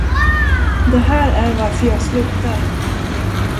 Det här är varför jag slutar.